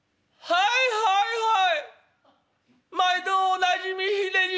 『はいはいはい！